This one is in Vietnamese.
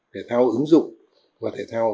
thể thao ứng dụng và thể thao